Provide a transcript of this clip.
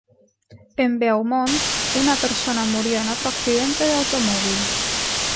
En Beaumont, una persona murió en otro accidente de automóvil.